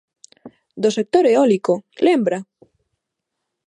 Do sector eólico, ¿lembra?